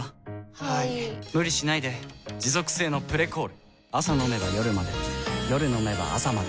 はい・・・無理しないで持続性の「プレコール」朝飲めば夜まで夜飲めば朝まで